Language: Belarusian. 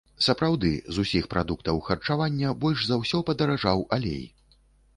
Сапраўды, з усіх прадуктаў харчавання больш за ўсё падаражаў алей!